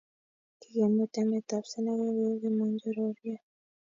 kikimut emet ab senegal kou kimonjororiat